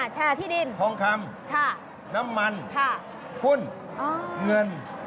แชร์ที่ดินทองคำน้ำมันหุ้นเงิน